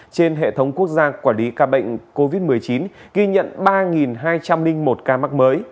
trên hệ thống quốc gia quản lý ca bệnh covid một mươi chín ghi nhận ba hai trăm linh một ca mắc mới